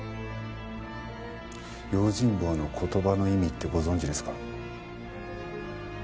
「用心棒」の言葉の意味ってご存じですか？